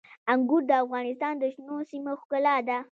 انګور د افغانستان د شنو سیمو ښکلا ده.